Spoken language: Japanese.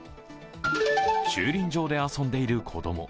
駐輪場で遊んでいる子供。